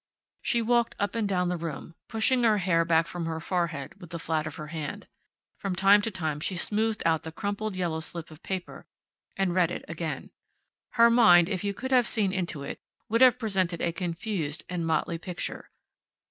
She walked up and down the room, pushing her hair back from her forehead with the flat of her hand. From time to time she smoothed out the crumpled yellow slip of paper and read it again. Her mind, if you could have seen into it, would have presented a confused and motley picture.